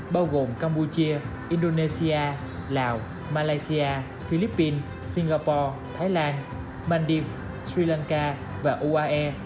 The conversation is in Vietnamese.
bao gồm campuchia indonesia lào malaysia philippines singapore thái lan mandim sri lanka và uae